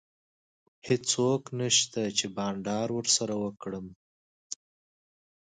هیڅوک نشته چي بانډار ورسره وکړم.